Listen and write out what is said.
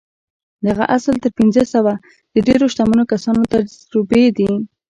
دغه اصول تر پينځه سوه د ډېرو شتمنو کسانو تجربې دي.